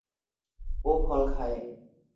ও ফল খায়।